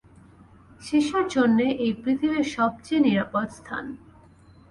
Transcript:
শিশুর জন্যে এই পৃথিবীর সবচেয়ে নিরাপদ স্থান।